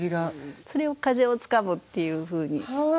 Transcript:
それを「風をつかむ」っていうふうに。